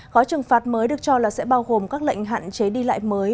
gói trừng phạt mới được cho là sẽ bao gồm các lệnh hạn chế đi lại mới